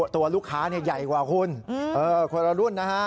ตัวลูกค้าใหญ่กว่าคุณคนละรุ่นนะฮะ